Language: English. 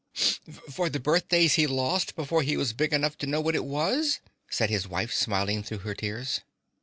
"For the birthdays he lost before he was big enough to know what it was?" said his wife smiling through her tears.